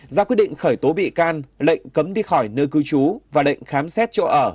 hai giao quy định khởi tố bị can lệnh cấm đi khỏi nơi cư trú và lệnh khám xét chỗ ở